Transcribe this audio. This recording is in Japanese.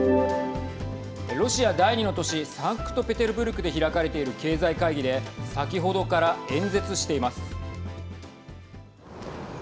ロシア第２の都市サンクトペテルブルクで開かれている経済会議で先ほどから演説しています。